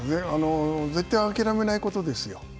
絶対諦めないことですよ。